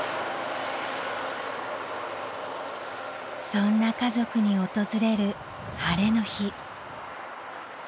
［そんな家族に訪れる晴れの日］